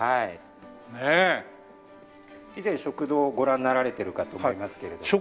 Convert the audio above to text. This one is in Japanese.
以前食堂をご覧になられているかと思いますけれども。